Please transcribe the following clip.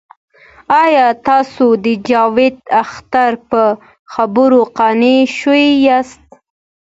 آیا تاسې د جاوید اختر په خبرو قانع شوي یاست؟